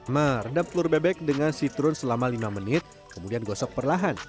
nah redap telur bebek dengan citron selama lima menit kemudian gosok perlahan